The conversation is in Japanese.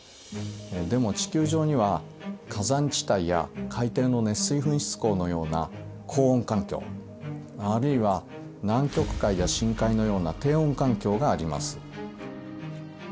でも地球上には火山地帯や海底の熱水噴出孔のような高温環境あるいは南極海や深海のような低温環境があります。